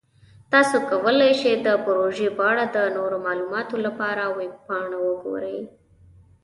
تاسو کولی شئ د پروژې په اړه د نورو معلوماتو لپاره ویب پاڼه وګورئ.